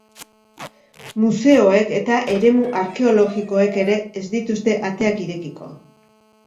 Museoek eta eremu arkeologikoek ere ez dituzte ateak irekiko.